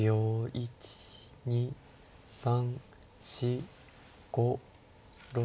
１２３４５６。